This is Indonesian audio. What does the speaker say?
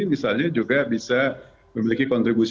misalnya juga bisa memiliki kontribusi